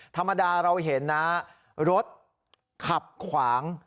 ธรรมดาเราเห็นนะรถขับขวาง